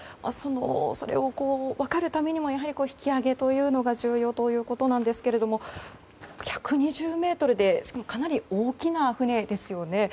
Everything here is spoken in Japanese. それが分かるためにも引き揚げが重要ということなんですが１２０ｍでしかもかなり大きな船ですよね。